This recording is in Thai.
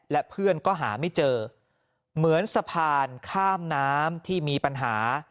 และเพื่อนก็หาไม่เจอเหมือนสะพานข้ามน้ำที่มีปัญหา